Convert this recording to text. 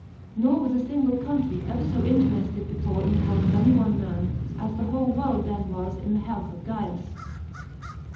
Nor was a single country ever so interested before in the health of any one man as the whole world then was in the health of Gains."